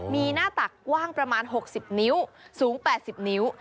มีหน้าตักกว้างประมาณ๖๐นิ้วสูง๘๐นิ้ว